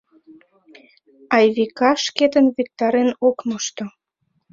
Айвика шкетын виктарен ок мошто.